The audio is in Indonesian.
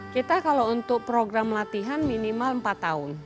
kita kalau untuk program latihan minimal empat tahun